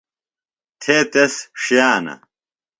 تھے تس ݜِیانہ.